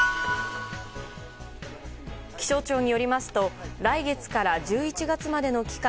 気象庁によりますと来月から１１月までの期間